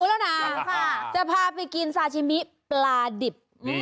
ทุกคนรู้แล้วนะจะพาไปกินซาชิมิปลาดิบ